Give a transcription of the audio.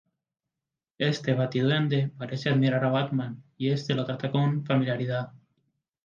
Este Bati-Duende parece admirar a Batman, y este lo trata con familiaridad.